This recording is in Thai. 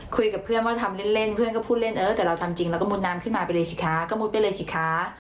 คุยกับเพื่อนว่าทำเล่นเพื่อนก็พูดเล่นเออแต่เราทำจริงเราก็มุดน้ำขึ้นมาไปเลยสิคะก็มุดไปเลยสิคะ